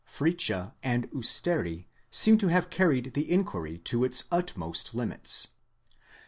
Fritzsche,? and Usteri,*> seem to have carried the inquiry to its utmost limits.